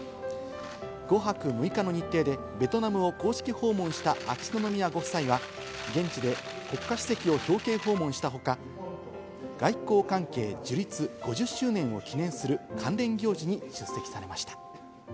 ５泊６日の日程でベトナムを公式訪問した秋篠宮ご夫妻は、現地で国家主席を表敬訪問したほか、外交関係樹立５０周年を記念する関連行事に出席されました。